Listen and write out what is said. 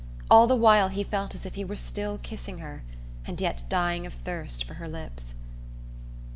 All the while he felt as if he were still kissing her, and yet dying of thirst for her lips.